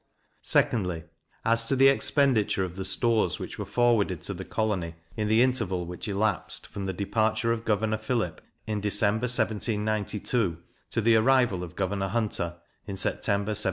2dly, As to the expenditure of the stores which were forwarded to the colony, in the interval which elapsed from the departure of Governor Phillip, in December, 1792, to the arrival of Governor Hunter, in September, 1795.